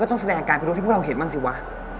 ก็ต้องแสดงอาการพิโดยที่พวกเราเห็นบ้างสิวะ